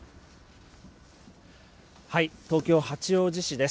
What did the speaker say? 東京・八王子市です。